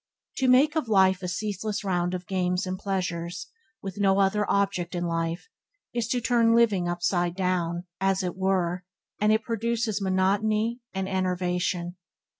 To make of life a ceaseless round of games and pleasures, with no other object in life, is to turn living upside down, as it were, and it produces monotony and enervation.